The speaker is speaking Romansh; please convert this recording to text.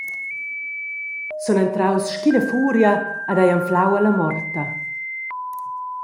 Sun entraus sc’ina furia ed hai anflau ella morta.»